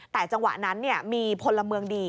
แต่จังหวะนั้นมีพลเมืองดี